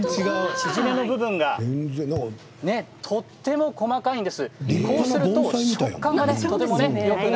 縮れの部分がとても細かいんです。